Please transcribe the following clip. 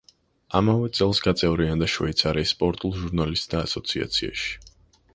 ამავე წელს გაწევრიანდა შვეიცარიის სპორტულ ჟურნალისტთა ასოციაციაში.